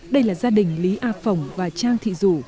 đây là gia đình lý a phỏng và trang thị rủ